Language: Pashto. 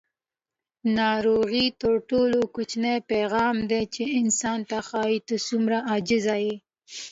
ناروغي تر ټولو کوچنی پیغام دی چې انسان ته ښایي: ته څومره عاجزه یې.